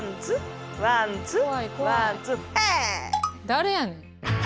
誰やねん。